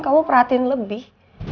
kamu perhatiin lebih